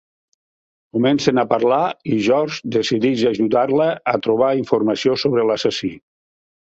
Comencen a parlar i George decideix ajudar-la a trobar informació sobre l'assassí.